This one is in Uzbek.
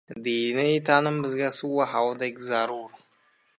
Diniy ta’lim bizga suv va havodek zarur